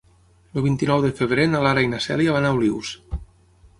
El vint-i-nou de febrer na Lara i na Cèlia van a Olius.